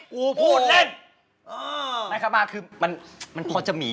กูพูดเล่น